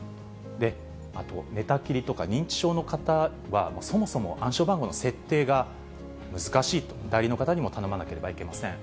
あと、寝たきりとか認知症の方は、そもそも暗証番号の設定が難しい、代理の方にも頼まなければいけません。